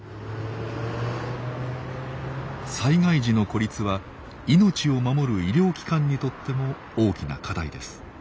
災害時の孤立は命を守る医療機関にとっても大きな課題です。